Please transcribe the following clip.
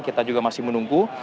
kita juga masih menunggu